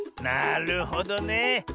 なるほどね！